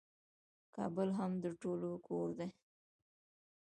کابل هم د ټولو کور دی.